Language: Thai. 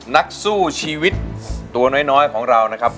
นักสู้ชีวิตตัวน้อยของเรานะครับ